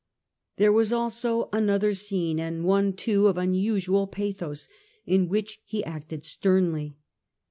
There was also another scene, and one loo of unusual pathos, in which he acted sternly.